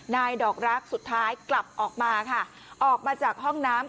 ดอกรักสุดท้ายกลับออกมาค่ะออกมาจากห้องน้ำ